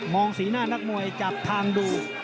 สีหน้านักมวยจับทางดู